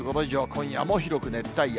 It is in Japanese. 今夜も広く熱帯夜。